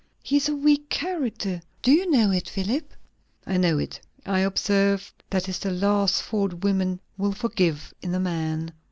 He is a weak character; do you know it, Philip?" "I know it. I observe, that is the last fault women will forgive in a man."